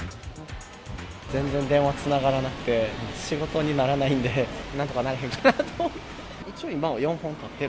全然電話つながらなくて、仕事にならないんで、なんとかならへんかなと思って。